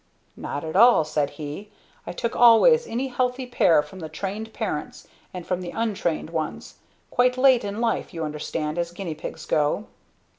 "Not at all," said he. "I took always any healthy pair from the trained parents and from the untrained ones quite late in life, you understand, as guinea pigs go."